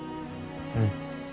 うん。